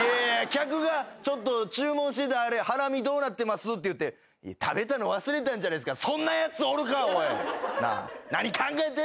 客が「ちょっと注文してたハラミどうなってます？」って言って「食べたの忘れたんじゃないですか？」